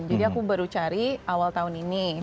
jadi aku baru cari awal tahun ini